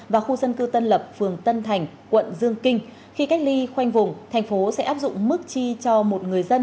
và khu dân cư tân lập phường tân thành quận dương kinh khi cách ly khoanh vùng thành phố sẽ áp dụng mức chi cho một người dân